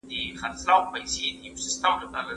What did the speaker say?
مینه کار اسانه او خوندور کوي.